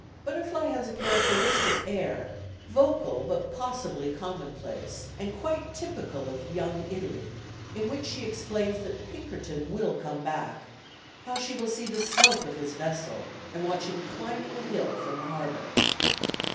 Butterfly has a characteristic air, vocal but possibly commonplace, and quite typical of "Young Italy," in which she explains that Pinkerton will come back, how she will see the smoke of his vessel, and watch him climbing the hill from the harbour.